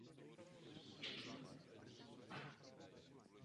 Její stavba byla zrušena.